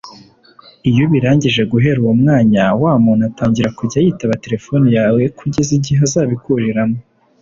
Iyo ubirangije guhera uwo mwanya wa muntu atangira kujya yitaba telefoni yawe kugeza igihe uzabikuriramo